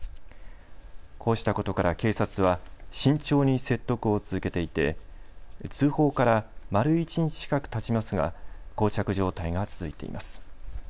こうしたことから警察は慎重に説得を続けていて通報から丸一日近くたちますがこう着状態が続いています。